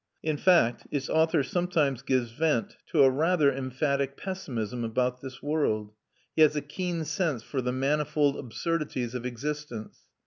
In fact, its author sometimes gives vent to a rather emphatic pessimism about this world; he has a keen sense for the manifold absurdities of existence.